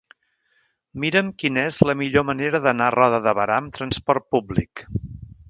Mira'm quina és la millor manera d'anar a Roda de Berà amb trasport públic.